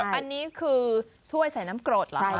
อันนี้คือถ้วยใส่น้ำกรดเหรอ